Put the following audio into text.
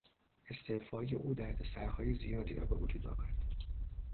استعفای او دردسرهای زیادی را بوجود آورد.